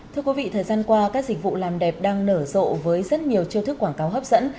thưa quý vị thời gian qua các dịch vụ làm đẹp đang nở rộ với rất nhiều chiêu thức quảng cáo hấp dẫn